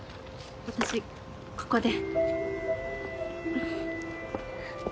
私ここで。